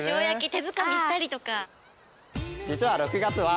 手づかみしたりとか。